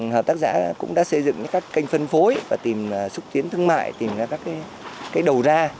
hợp tác xã xuất tiến thương mại tìm ra các cây đầu ra